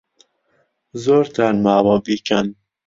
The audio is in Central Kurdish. زۆرتان ماوە بیکەن.